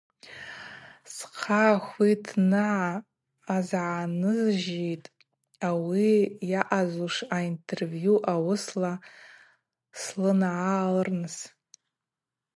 Схъа хвитныгӏа азгӏанызжьитӏ ауи йаъазлуш аинтервью ауысла слынгӏалырныс.